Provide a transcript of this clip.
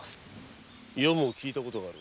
余も聞いたことがある。